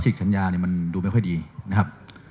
สัญญาเนี่ยมันดูไม่ค่อยดีนะครับ